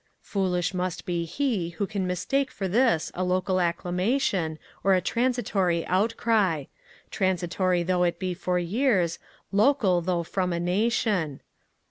Foolish must he be who can mistake for this a local acclamation, or a transitory out cry transitory though it be for years, local though from a Nation.